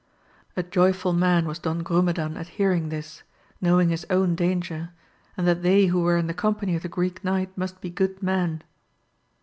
A joyful man was Don Grumedan at hearing this, knowing his own danger, and that they who were in the company of the Greek Knight must be good men.